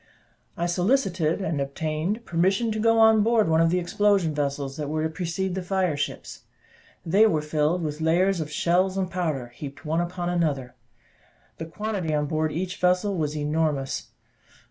I solicited, and obtained permission to go on board one of the explosion vessels that were to precede the fire ships. They were filled with layers of shells and powder, heaped one upon another: the quantity on board of each vessel was enormous.